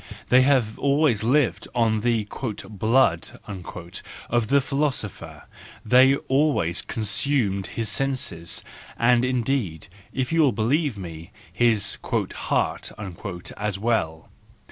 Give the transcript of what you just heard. They have always lived on the " blood " of the philosopher, they always consumed his senses, and indeed, if you will believe me, his " heart " as well.